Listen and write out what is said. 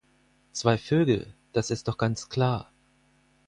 Zwei Vögel, das ist doch ganz klar.